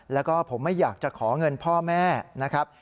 แล้วก็ผมไม่อยากจะขอเงินพ่อแม่นะครับ